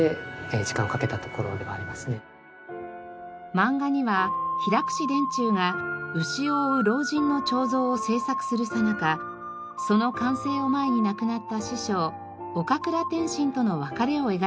漫画には平櫛田中が牛を追う老人の彫像を制作するさなかその完成を前に亡くなった師匠岡倉天心との別れを描いたエピソードも。